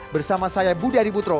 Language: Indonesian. bersama saya budi adibutro